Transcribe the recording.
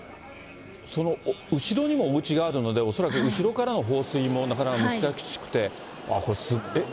その後ろにもおうちがあるので、恐らく後ろからの放水もなかなか難しくて、これ、えっ？